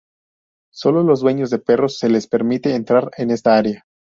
Sólo los dueños de perros se les permite entrar en esta área.